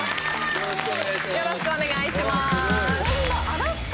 よろしくお願いします